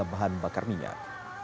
harga bahan bakar minyak